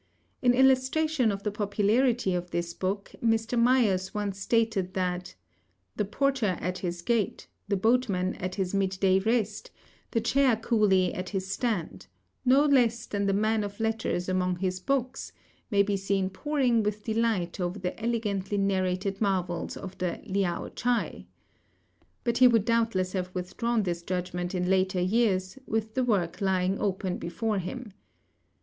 In illustration of the popularity of this book, Mr. Mayers once stated that "the porter at his gate, the boatman at his mid day rest, the chair coolie at his stand, no less than the man of letters among his books, may be seen poring with delight over the elegantly narrated marvels of the Liao Chai;" but he would doubtless have withdrawn this judgment in later years, with the work lying open before him.